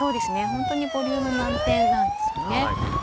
ホントにボリューム満点なんですよね。